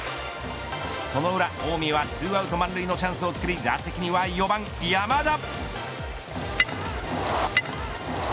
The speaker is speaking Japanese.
その裏、近江は２アウト満塁のチャンスを作り打席には４番山田。